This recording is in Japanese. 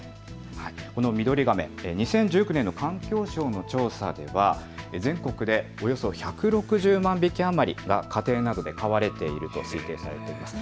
このミドリガメ、２０１９年の環境省の調査では全国でおよそ１６０万匹余りが家庭などで飼われていると推定されています。